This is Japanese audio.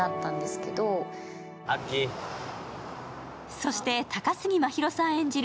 そして高杉真宙さん演じる